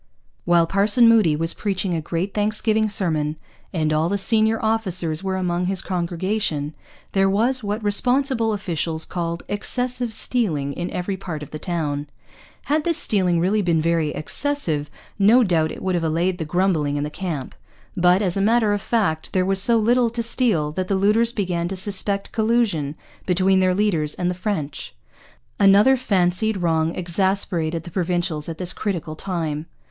While Parson Moody was preaching a great thanksgiving sermon, and all the senior officers were among his congregation, there was what responsible officials called 'excessive stealing in every part of the Towne.' Had this stealing really been very 'excessive' no doubt it would have allayed the grumbling in the camp. But, as a matter of fact, there was so little to steal that the looters began to suspect collusion between their leaders and the French. Another fancied wrong exasperated the Provincials at this critical time.